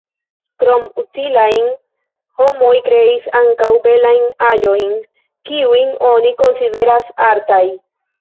Krom utilajn, homoj kreis ankaŭ belajn aĵojn, kiujn oni konsideras artaj.